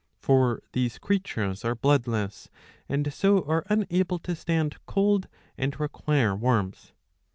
*^ For these creatures are bloodless, and so are unable to stand cold and require warmth.